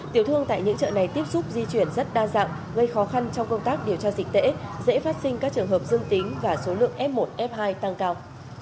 tiểu thương tại những chợ này tiếp xúc di chuyển rất đa dạng gây khó khăn trong công tác điều tra dịch tễ dễ phát sinh các trường hợp dương tính và số lượng f một f hai tăng cao